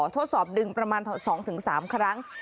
ทดสอบดึงประมาณ๒๓ครั้ง